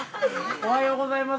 おはようございます。